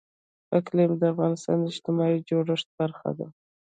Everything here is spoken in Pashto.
اقلیم د افغانستان د اجتماعي جوړښت برخه ده.